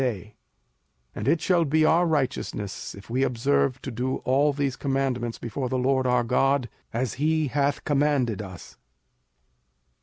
05:006:025 And it shall be our righteousness, if we observe to do all these commandments before the LORD our God, as he hath commanded us.